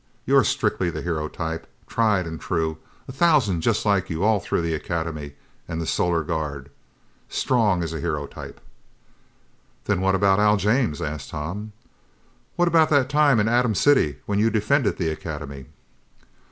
You're strictly the hero type. Tried and true, a thousand just like you all through the Academy and the Solar Guard. Strong is a hero type!" "Then what about Al James?" asked Tom. "What about that time in Atom City when you defended the Academy?"